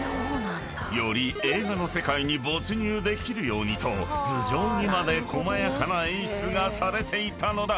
［より映画の世界に没入できるようにと頭上にまで細やかな演出がされていたのだ］